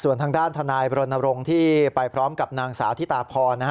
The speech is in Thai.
ส่วนทางด้านทนายบรณรงค์ที่ไปพร้อมกับนางสาวธิตาพร